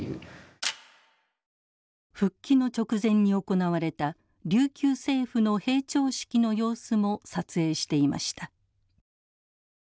復帰の直前に行われた琉球政府の閉庁式の様子も撮影していました。